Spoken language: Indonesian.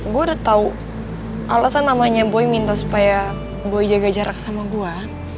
gue udah tau alasan namanya boy minta supaya boy jaga jarak sama gue